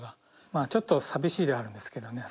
まあちょっと寂しいではあるんですけどね